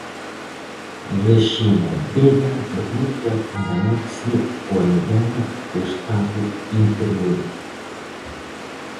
Rexina Vega debuta, en Galaxia, coa novela "O estado intermedio".